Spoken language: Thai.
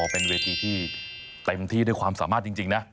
เป็นเวทีที่เต็มที่ด้วยความสามารถจริงนะ